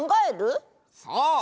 そう！